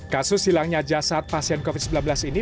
kasus hilangnya jasad pasien covid sembilan belas ini